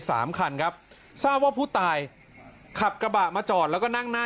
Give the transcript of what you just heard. สามคันครับทราบว่าผู้ตายขับกระบะมาจอดแล้วก็นั่งหน้า